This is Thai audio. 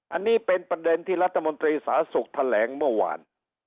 อันนี้เป็นประเด็นที่รัฐมนตรีสาธารณสุขแถลงเมื่อวาน